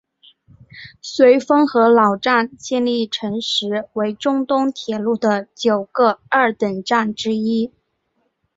绥芬河老站建立成时为中东铁路的九个二等站之一。